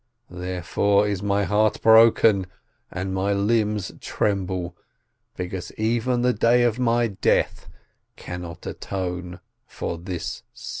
. therefore is my heart broken and my limbs tremble, because even the day of my death cannot atone for this sin."